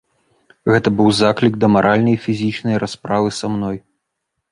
Гэта быў заклік да маральнай і фізічнай расправы са мной.